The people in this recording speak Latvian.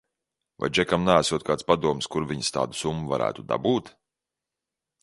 Vai Džekam neesot kāds padoms, kur viņas tādu summu varētu dabūt?